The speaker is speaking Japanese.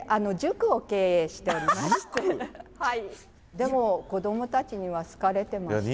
でも子どもたちには好かれてまして。